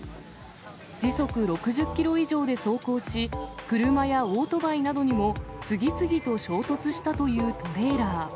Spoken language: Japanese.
時速６０キロ以上で走行し、車やオートバイなどにも次々と衝突したというトレーラー。